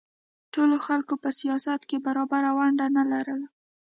ټولو خلکو په سیاست کې برابره ونډه نه لرله.